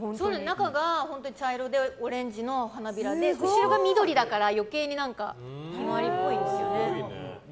中が本当に茶色でオレンジの花びらで後ろが緑だから余計にヒマワリっぽいんですよね。